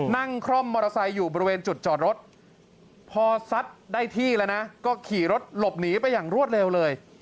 คร่อมมอเตอร์ไซค์อยู่บริเวณจุดจอดรถพอซัดได้ที่แล้วนะก็ขี่รถหลบหนีไปอย่างรวดเร็วเลย